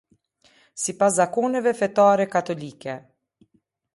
Sipas zakoneve fetare Katolike.